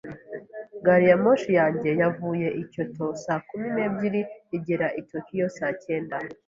Gari ya moshi yanjye yavuye i Kyoto saa kumi n'ebyiri, igera i Tokiyo saa cyenda.